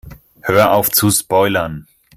Hör auf zu spoilern!